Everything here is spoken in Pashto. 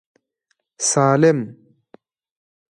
سالم.